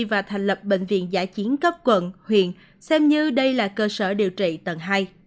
và thành lập bệnh viện giã chiến cấp quận huyện xem như đây là cơ sở điều trị tầng hai